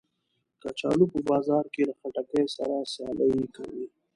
کچالو په بازار کې له خټکیو سره سیالي کوي